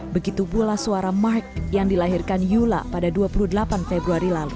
begitu pula suara mark yang dilahirkan yula pada dua puluh delapan februari lalu